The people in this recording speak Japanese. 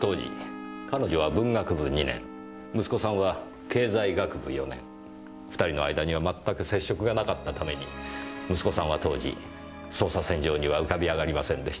当時彼女は文学部２年息子さんは経済学部４年。２人の間にはまったく接触がなかったために息子さんは当時捜査線上には浮かび上がりませんでした。